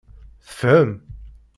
Tefhem.